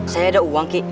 saya ada uang ki